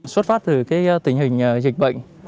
xuất phát từ tình hình dịch bệnh